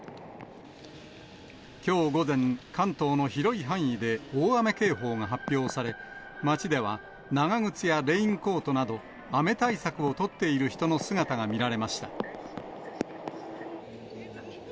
きょう午前、関東の広い範囲で大雨警報が発表され、街では長靴やレインコートなど、雨対策をとっている人の姿が見られました。